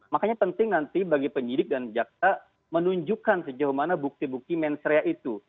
makanya penting nanti bagi penyidik dan jaksa menunjukkan sejauh mana bukti bukti mensrea itu